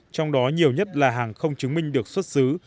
trong đó nhiều nhất là hàng không chứng minh được xuất xứ